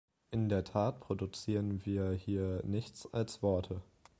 In der Tat produzieren wir hier nichts als Worte!